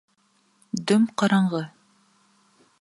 Дөм-ҡараңғы.